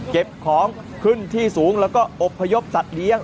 เก็บของขึ้นที่สูงแล้วก็อบพยพสัตว์เลี้ยง